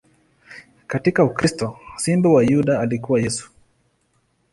Katika ukristo, Simba wa Yuda alikuwa Yesu.